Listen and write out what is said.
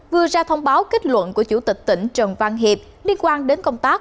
vừa ra thông báo kết luận của chủ tịch tỉnh trần văn hiệp liên quan đến công tác